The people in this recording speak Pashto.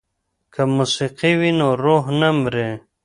که موسیقي وي نو روح نه مري.